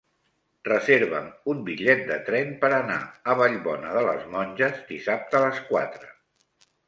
Reserva'm un bitllet de tren per anar a Vallbona de les Monges dissabte a les quatre.